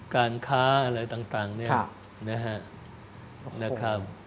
การค้าอะไรต่างเนี่ย